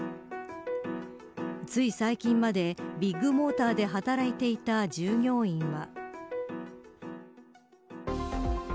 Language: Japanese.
つい最近までビッグモーターで働いていた従業員は。